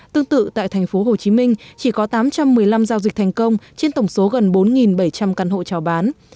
tương tự tại thành phố hồ chí minh chỉ có tám trăm một mươi năm giao dịch thành công trên tổng số gần bốn bảy trăm linh căn hộ cho bán